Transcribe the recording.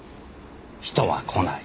人は来ない